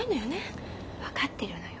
分かってるのよ。